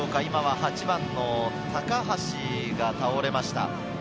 ８番・高橋が倒れました。